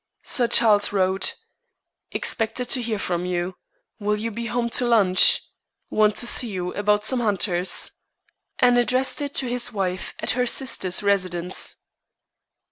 Sir Charles wrote: "Expected to hear from you. Will you be home to lunch? Want to see you about some hunters"; and addressed it to his wife at her sister's residence.